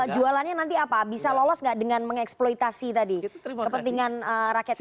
jualannya nanti apa bisa lolos nggak dengan mengeksploitasi tadi kepentingan rakyat ini